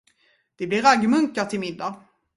Det blir raggmunkar till middag.